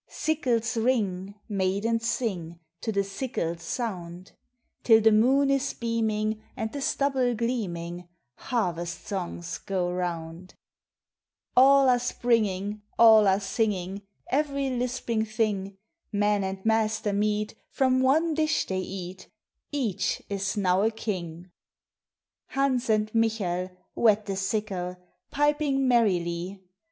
Sickles ring, Maidens sing To the sickle's sound; Till the moon is beaming, And the stubble gleaming, Harvest songs go round. THE SEASONS. 151 All are springing, All are singing, Every lisping thing, Man and master meet, From one dish they eat ; Each is now a king. Hans and Michael Whet the sickle, Piping merrily.